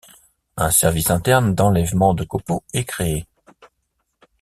Un service interne d'enlèvement de copeaux est créé.